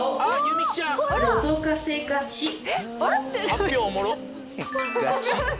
発表おもろっ！